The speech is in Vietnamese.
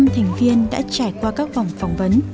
hai mươi năm thành viên đã trải qua các vòng phỏng vấn